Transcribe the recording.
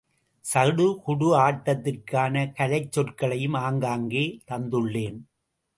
சடுகுடு ஆட்டத்திற்கான கலைச் சொற்களையும் ஆங்காங்கே தந்துள்ளேன்.